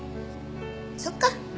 そっか。